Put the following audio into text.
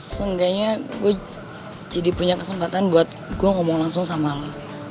seenggaknya gue jadi punya kesempatan buat gue ngomong langsung sama lo